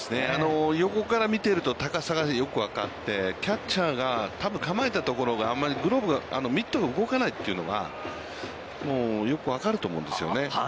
横から見ていると、高さがよく分かって、キャッチャーが多分構えたところがあんまりミットが動かないというのがもうよく分かると思うんですよね。